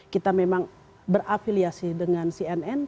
kita memang berafiliasi dengan cnn